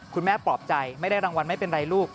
ปลอบใจไม่ได้รางวัลไม่เป็นไรลูก